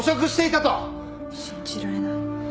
信じられない。